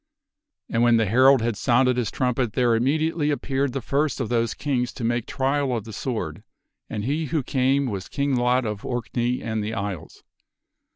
And when the herald had sounded his trumpet there immediately ap peared the first of those kings to make trial of the sword, and he who came was King Lot of Orkney and the Isles.